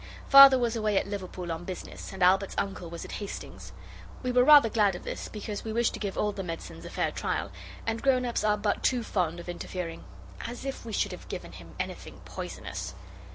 Father was away at Liverpool on business, and Albert's uncle was at Hastings. We were rather glad of this, because we wished to give all the medicines a fair trial, and grown ups are but too fond of interfering. As if we should have given him anything poisonous!